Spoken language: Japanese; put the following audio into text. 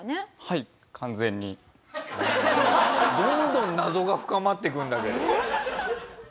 どんどん謎が深まっていくんだけど。